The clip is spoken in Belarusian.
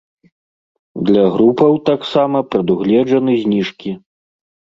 Для групаў таксама прадугледжаны зніжкі.